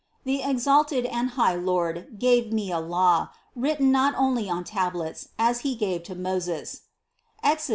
The exalted and high Lord gave me a law, written not only on tablets, as He gave to Moses (Exod.